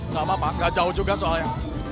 gapapa gak jauh juga soalnya